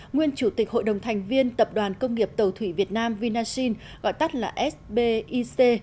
nguyên chủ tịch hội đồng thành viên tập đoàn công nghiệp tàu thủy việt nam vinasin gọi tắt là sbic